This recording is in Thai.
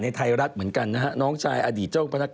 ไทยรัฐเหมือนกันนะฮะน้องชายอดีตเจ้าพนักงาน